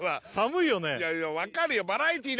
いやいや分かるよ